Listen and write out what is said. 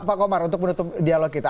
pak komar untuk menutup dialog kita